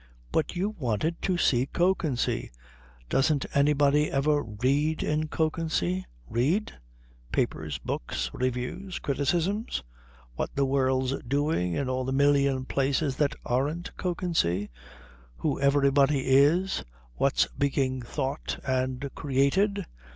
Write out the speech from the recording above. "But you wanted to see Kökensee " "Doesn't anybody ever read in Kökensee?" "Read?" "Papers? Books? Reviews? Criticisms? What the world's doing in all the million places that aren't Kökensee? Who everybody is? What's being thought and created?"